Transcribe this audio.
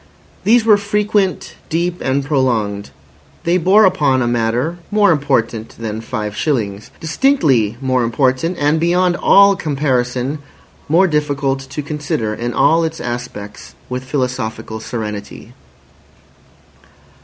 These were frequent, deep, and prolonged; they bore upon a matter more important than five shillings. Distinctly more important, and beyond all comparison more difficult to consider in all its aspects with philosophical serenity.